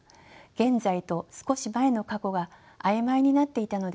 現在と少し前の過去が曖昧になっていたのです。